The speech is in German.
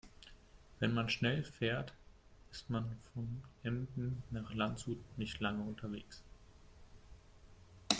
Wenn man schnell fährt, ist man von Emden nach Landshut nicht lange unterwegs